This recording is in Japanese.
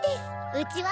うちは。